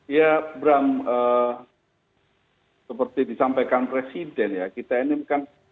ya bram seperti disampaikan presiden ya kita ini kan